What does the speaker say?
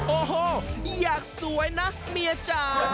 โอ้โหอยากสวยนะเมียจ๋า